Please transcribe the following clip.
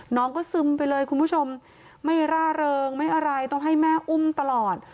น้องก็ซึมไปเลยคุณผู้ชมไม่ร่าเริงไม่อะไรต้องให้แม่อุ้มตลอด